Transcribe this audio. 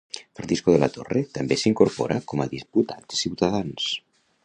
Francisco de la Torre també s'incorpora com a diputat de Ciutadans.